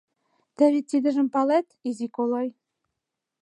Тый вет тидыжым палет, изи колой.